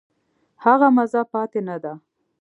هغه مزه پاتې نه ده.